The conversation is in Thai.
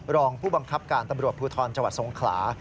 รองผู้บังคับการตำรวจภูทรจังหวัดสงขลา